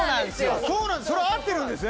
それは合ってるんですね？